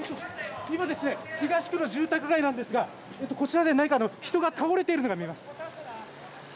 東区の住宅街なんですがこちらで何か人が倒れているのが見えます。